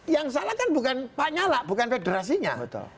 yang salah kan bukan pak nyala bukan federasinya